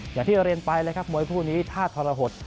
อย่างที่เรียนไปเลยครับมวยคู่นี้ถ้าทรหด